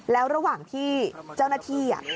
แล้วระหว่างที่เจ้าหน้าที่